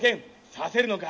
刺せるのか？